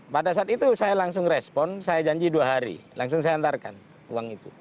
pada saat itu saya langsung respon saya janji dua hari langsung saya antarkan uang itu